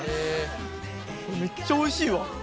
めっちゃおいしいわ。